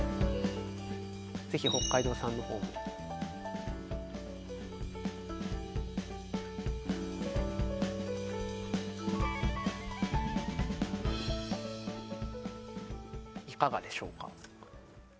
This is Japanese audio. ぜひ北海道産の方もいかがでしょうか？